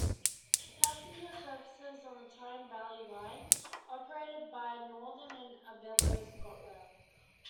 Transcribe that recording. Passenger services on the Tyne Valley Line are operated by Northern and Abellio ScotRail.